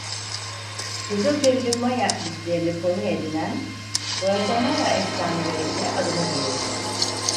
Kızılderili-Maya mitlerini konu edinen "Guatemala Efsaneleri" ile adını duyurdu.